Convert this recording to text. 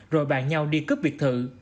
rồi bàn nhau đi cướp biệt thự